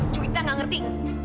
juwita gak ngerti